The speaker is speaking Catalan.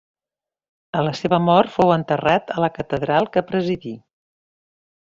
A la seva mort fou enterrat a la catedral que presidí.